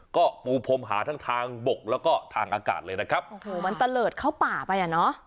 ก็ปูพรมหาทั้งทางบกแล้วก็ทางอากาศเลยนะครับโอ้โหมันตะเลิศเข้าป่าไปอ่ะเนอะ